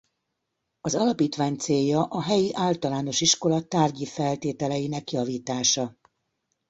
Az alapítvány célja a helyi általános iskola tárgyi feltételeinek javítása.